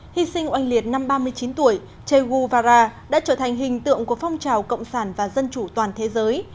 hy sinh oanh liệt năm ba mươi chín tuổi che gu vara đã trở thành hình tượng của phong trào cộng sản và dân chủ toàn thế giới